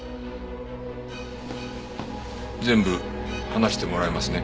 全部話してもらえますね。